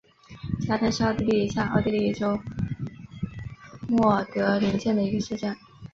加登是奥地利下奥地利州默德林县的一个市镇。